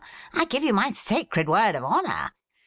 I give you my sacred word of honour.